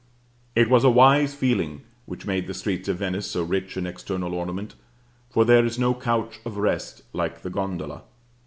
It was a wise feeling which made the streets of Venice so rich in external ornament, for there is no couch of rest like the gondola.